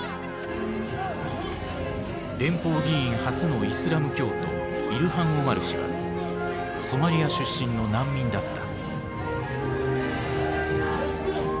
連邦議員初のイスラム教徒イルハン・オマル氏はソマリア出身の難民だった。